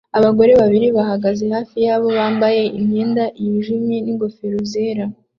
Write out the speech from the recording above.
Abagore babiri bahagaze hafi yabo bambaye imyenda yijimye n'ingofero zera